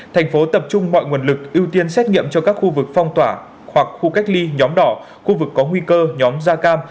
thành phố tập trung mọi nguồn lực ưu tiên xét nghiệm cho các khu vực phong tỏa hoặc khu cách ly nhóm đỏ khu vực có nguy cơ nhóm da cam